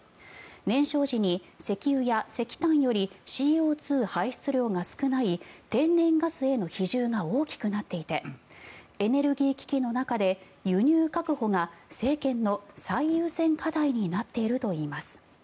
燃焼時に石油や石炭よりＣＯ２排出量が少ない天然ガスへの比重が大きくなっていてエネルギー危機の中で輸入・確保が政権の最優先課題になっているといいます。